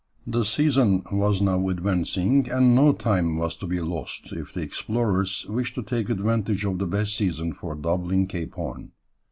The season was now advancing, and no time was to be lost if the explorers wished to take advantage of the best season for doubling Cape Horn.